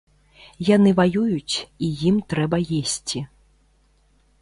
Яны ваююць, і ім трэба есці.